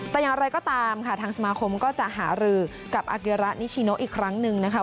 แต่อย่างไรก็ตามค่ะทางสมาคมก็จะหารือกับอาเกียระนิชิโนอีกครั้งหนึ่งนะคะ